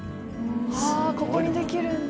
ここにできるんだ。